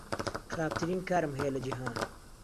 خراپترین کارم هەیە لە جیهان.